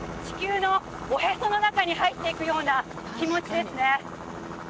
地球のおへその中に入っていくような気持ちですね